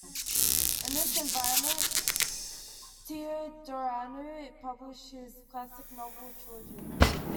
In this environment, Teodoreanu published his classic novel trilogy.